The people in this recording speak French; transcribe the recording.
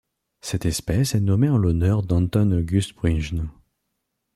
Cette espèce est nommée en l'honneur d'Anton August Bruijn.